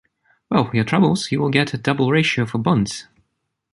Well for your troubles you will get a double ratio for buns.